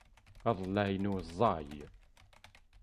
Aḍellaɛ-inu ẓẓay.